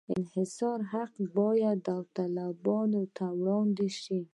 انحصاري حق یې باید داوطلبۍ ته وړاندې شي.